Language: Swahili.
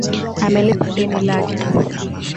Amelipa deni lake.